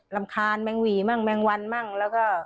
รำคาญแมงหวี่แมงวันแล้วก็